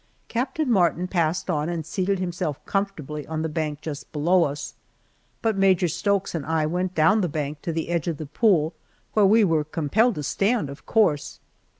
Captain Martin passed on and seated himself comfortably on the bank just below us, but Major Stokes and I went down the bank to the edge of the pool where we were compelled to stand, of course.